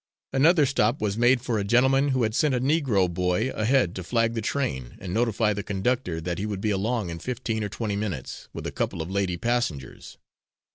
Another stop was made for a gentleman who had sent a Negro boy ahead to flag the train and notify the conductor that he would be along in fifteen or twenty minutes with a couple of lady passengers.